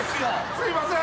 すいません。